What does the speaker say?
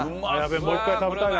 もう１回食べたいな。